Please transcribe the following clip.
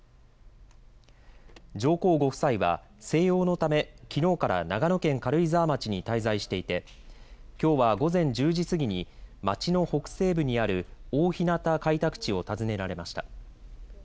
上皇ご夫妻は静養のためきのうから長野県軽井沢町に滞在していてきょうは午前１０時過ぎに町の北西部にある大日向開拓地を訪ねられました。